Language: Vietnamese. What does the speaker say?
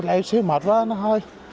ê xíu mệt quá nó hơi